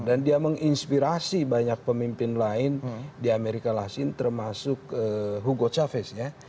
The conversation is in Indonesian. dan dia menginspirasi banyak pemimpin lain di amerika laksin termasuk hugo chavez ya